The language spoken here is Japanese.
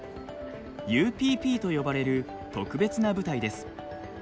ＵＰＰと呼ばれる特別な部隊です。